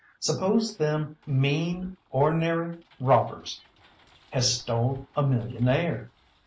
Suppose them mean, or'nary robbers has stole a millionaire?